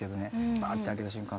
バーッてあけた瞬間